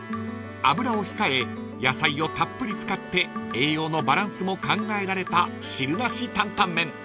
［油を控え野菜をたっぷり使って栄養のバランスも考えられた汁なし担々麺］